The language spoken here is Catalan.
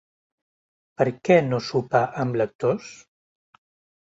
Per què no sopar amb lectors?